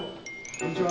こんにちは。